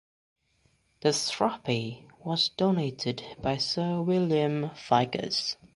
The trophy was donated by Sir William Vicars.